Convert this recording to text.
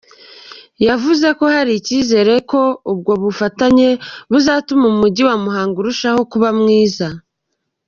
Yavuze ko hari icyizere ko ubwo bufatanye buzatuma Umujyi wa Muhanga urushaho kuba mwiza.